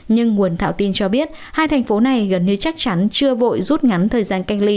nhưng nguồn thạo tin cho biết hai thành phố này gần như chắc chắn chưa vội rút ngắn thời gian cách ly